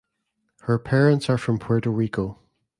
Her parents are from Puerto Rico.